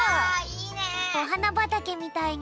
おはなばたけみたいになりそう。